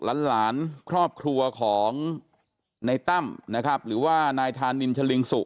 หลานครอบครัวของในตั้มนะครับหรือว่านายธานินชะลิงสุ